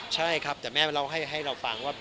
ใช่ครับแต่แม่ให้เราฟังว่า